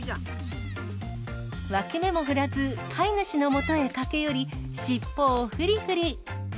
脇目も振らず、飼い主のもとへ駆け寄り、尻尾をふりふり。